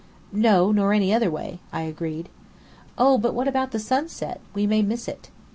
"No, nor any other way," I agreed. "Oh, but what about the sunset? We may miss it."